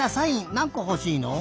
なんこほしいの？